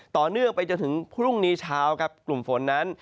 ต่อเนื่องไปจนถึงพรุ่งนี้เช้าครับกลุ่มฝนนั้น